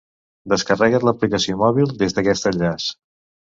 Descarrega't l'aplicació mòbil des d'aquest enllaç.